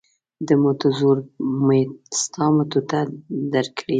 د مټو زور مې ستا مټو ته درکړی دی.